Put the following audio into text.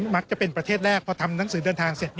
มักจะเป็นประเทศแรกพอทำหนังสือเดินทางเสร็จ